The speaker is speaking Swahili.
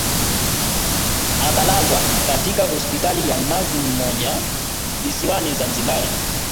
akalazwa katika hospitali ya mnazi mmoja visiwani Zanzibari